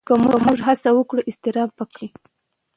که موږ هڅه وکړو، اضطراب به کم شي.